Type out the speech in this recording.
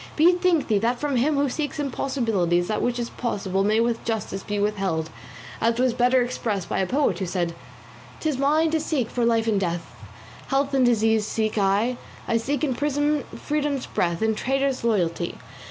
Bethink thee that from him who seeks impossibilities that which is possible may with justice be withheld, as was better expressed by a poet who said: 'Tis mine to seek for life in death, Health in disease seek I, I seek in prison freedom's breath, In traitors loyalty.